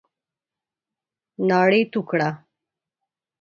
ناړي تو کړه !